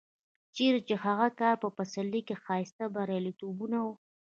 چېرې چې د هغه کال په پسرلي کې ښایسته بریالیتوبونه و.